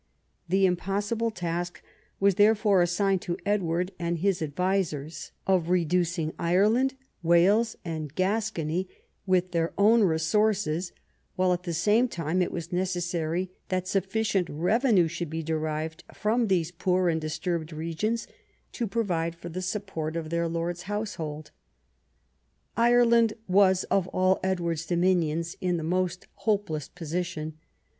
The impossible task was therefore assicrned to Edward and his advisers I EARLY YEARS 16 of reducing Ireland, Wales, and Gascony with their own resources ; while at the same time it was necessary that sufficient revenue should be derived from these poor and disturbed regions to provide for the support of their lord's household. Ireland was of all Edward's dominions in the most hopeless position.